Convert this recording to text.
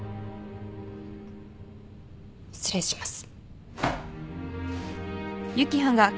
失礼します。